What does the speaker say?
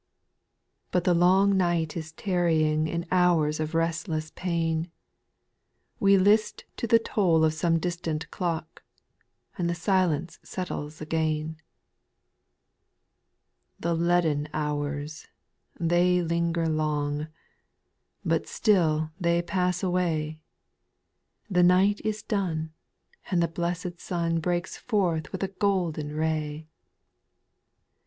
5. Bufr the long night is tarrying In hours of restless pain, — We list to the toll of some distant clock, And the silence settles again. 6. The leaden hours — they linger long ; But still they pass away ; The night is done, and the blessed sun Breaks forth with a golden ray.